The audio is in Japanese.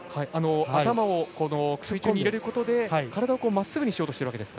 頭を水中に入れることで体をまっすぐにしようとしてるんですか。